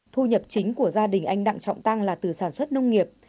thu nhập chính của gia đình anh đặng trọng tăng là từ sản xuất nông nghiệp